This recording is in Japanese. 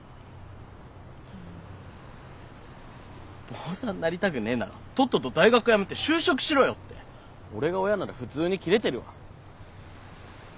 坊さんなりたぐねえならとっとと大学やめて就職しろよって俺が親なら普通に切れてるわ。